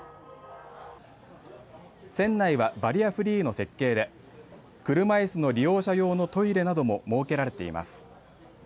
船内はバリアフリーの設計で車いすの利用者用のトイレなども設けられています。